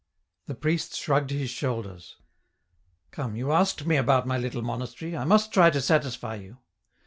The priest shrugged his shoulders. " Come, you asked me about my little monastery ; I must try to satisfy you.